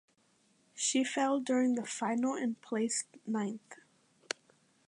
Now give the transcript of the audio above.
She fell during the final and placed ninth.